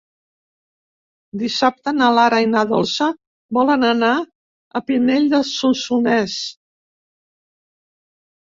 Dissabte na Lara i na Dolça volen anar a Pinell de Solsonès.